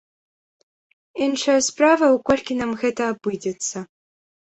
Іншая справа, у колькі нам гэта абыдзецца.